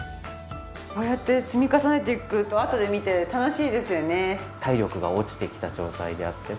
こうやって積み重ねていくとあとで見て楽しいですよね。